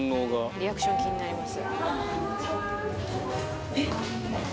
リアクション気になります。